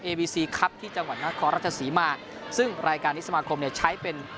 วีซีครับที่จังหวัดนครราชศรีมาซึ่งรายการนี้สมาคมเนี่ยใช้เป็น